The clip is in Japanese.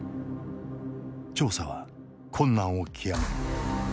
調査は困難を極める。